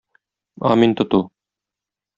Амин тоту.